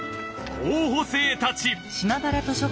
候補生たち！